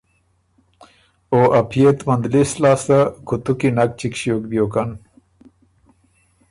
او ا پئے ت مندلِس لاسته کُوتُو کی نک چِګ ݭیوک بیوکن۔